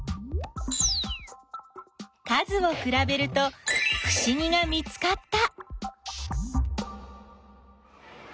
数をくらべるとふしぎが見つかった！